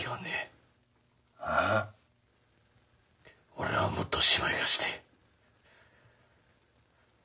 俺はもっと芝居がしてえ。